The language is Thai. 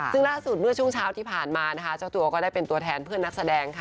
ซึ่งล่าสุดเมื่อช่วงเช้าที่ผ่านมานะคะเจ้าตัวก็ได้เป็นตัวแทนเพื่อนนักแสดงค่ะ